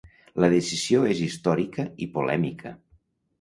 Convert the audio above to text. La decisió és històrica i polèmica.